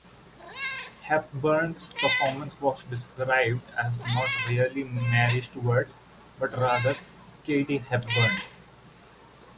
Hepburn's performance was described as not really Mary Stuart but rather Katie Hepburn.